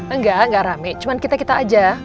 enggak enggak rame cuma kita kita aja